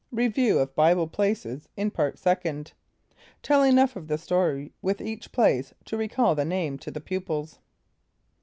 Review of Bible Places in Part Second. (Tell enough of the story with each place to recall the name to the pupils.)